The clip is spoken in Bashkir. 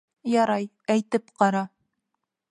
Ярай, әйтеп ҡара.